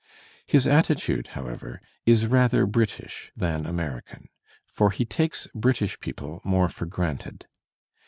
His attitude, however, is rather British than American. For he takes British people more for granted.